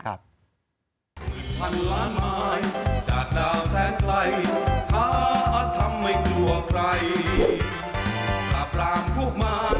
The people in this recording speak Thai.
ครับ